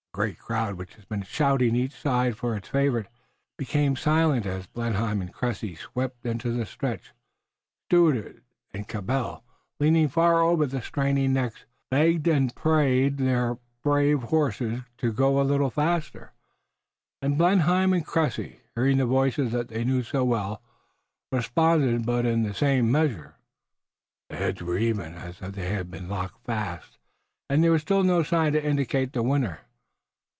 The great crowd, which had been shouting, each side for its favorite, became silent as Blenheim and Cressy swept into the stretch. Stuart and Cabell, leaning far over the straining necks, begged and prayed their brave horses to go a little faster, and Blenheim and Cressy, hearing the voices that they knew so well, responded but in the same measure. The heads were even, as if they had been locked fast, and there was still no sign to indicate the winner.